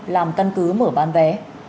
làm căn cứ mở bán vé